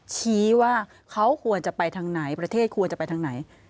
ชี้ว่าเขาควรจะไปทางไหนประเทศควรจะไปทางไหน